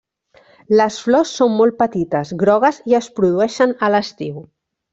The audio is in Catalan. Les flors són molt petites, grogues i es produeixen a l'estiu.